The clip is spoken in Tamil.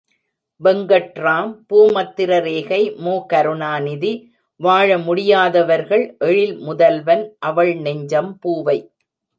வெங்கட்ராம் பூமத்திரரேகை மு. கருணாநிதி வாழமுடியாதவர்கள் எழில் முதல்வன் அவள்நெஞ்சம் பூவை.